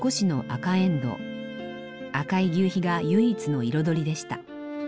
赤い求肥が唯一の彩りでした。